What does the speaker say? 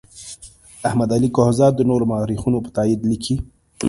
احمد علي کهزاد د نورو مورخینو په تایید لیکي.